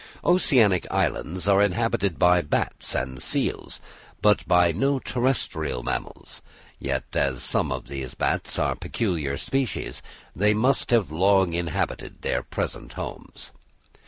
Oceanic islands are inhabited by bats and seals, but by no terrestrial mammals; yet as some of these bats are peculiar species, they must have long inhabited their present homes.